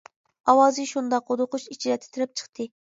ئاۋازى شۇنداق ھودۇقۇش ئىچىدە تىترەپ چىقتى.